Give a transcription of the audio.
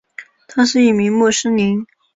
他是一名穆斯林。